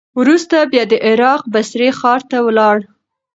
وروسته بیا د عراق بصرې ښار ته ولاړ.